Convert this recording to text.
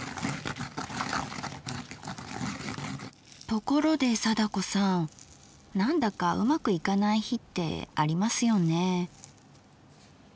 ところで貞子さんなんだかうまくいかない日ってありますよね。